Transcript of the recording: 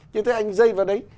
như thế anh dây vào đấy